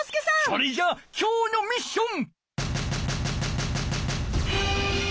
それじゃ今日のミッション！